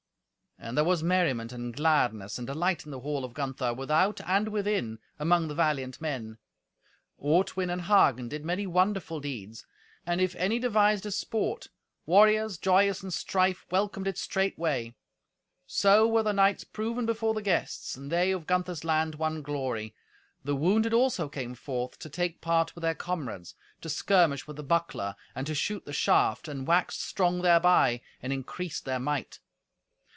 And there was merriment and gladness and delight in the hall of Gunther, without and within, among the valiant men. Ortwin and Hagen did many wonderful deeds, and if any devised a sport, warriors, joyous in strife, welcomed it straightway. So were the knights proven before the guests, and they of Gunther's land won glory. The wounded also came forth to take part with their comrades, to skirmish with the buckler, and to shoot the shaft, and waxed strong thereby, and increased their might.